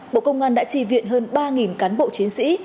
bộ công an đã tri viện hơn ba cán bộ chiến sĩ